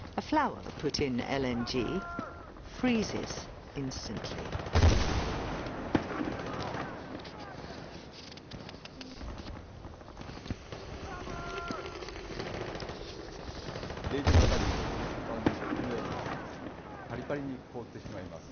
ＬＮＧを中に入れたとたんにこのようにパリパリに凍ってしまいます。